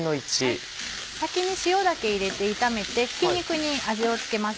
先に塩だけ入れて炒めてひき肉に味を付けます。